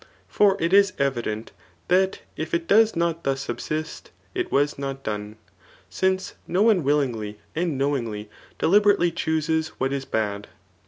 For it is evident, that if it does not thus subsist, it was not done ; since no one willingly and ksowingly deliberately chooses what is bad.